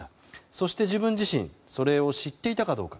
そして自分自身それを知っていたかどうか。